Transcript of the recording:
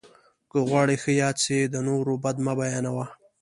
که غواړې ښه یاد سې، د نور بد مه بيانوه!